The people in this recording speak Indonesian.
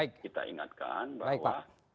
kita ingatkan bahwa